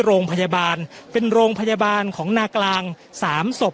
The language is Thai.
โรงพยาบาลเป็นโรงพยาบาลของนากลางสามศพ